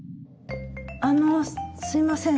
あのすいません。